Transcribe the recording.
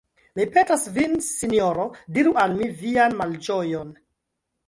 Mi petas vin, sinjoro, diru al mi vian malĝojon!